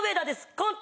コント